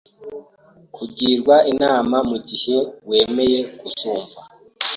Kugiwra inama mugihe wemeye kuzumva